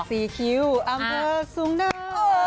สีคิ้วอำเภอสูงเนิน